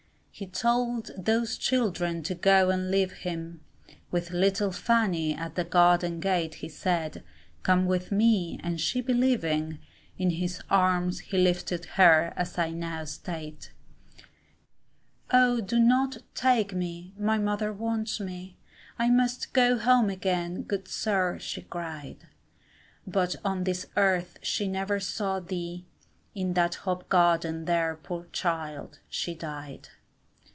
He told those children to go and leave him, With little Fanny at the garden gate He said, come with me, and she believing, In his arms he lifted her as I now state; Oh do not take me, my mother wants me, I must go home again, good sir, she cried; But on this earth she never saw thee, In that hop garden, there, poor child, she died.